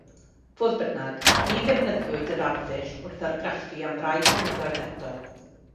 Fodd bynnag, ni ddefnyddiwyd yr arddull wrth argraffu am rai blynyddoedd eto.